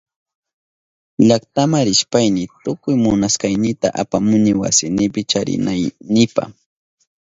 Llaktama rishpayni tukuy munashkaynita apamuni wasinipi charinaynipa.